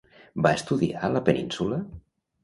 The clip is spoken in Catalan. Va estudiar a la península?